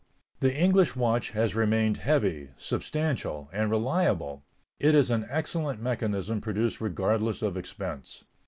The English watch has remained heavy, substantial, and reliable; it is an excellent mechanism produced regardless of expense.